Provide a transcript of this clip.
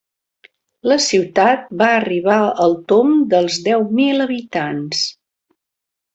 La ciutat va arribar al tomb dels deu mil habitants.